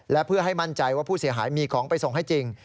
และเพื่อให้มั่นใจว่าผู้เสียหายมีของไปส่งให้จริง